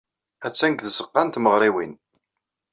Attan deg tzeɣɣa n tmeɣriwin.